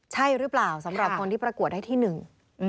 ใช่หรือเปล่าสำหรับคนที่ประกวดได้ที่หนึ่ง